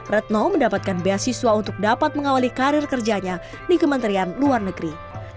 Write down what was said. retno mendapatkan beasiswa untuk dapat mengawali karir kerjanya di kementerian luar negeri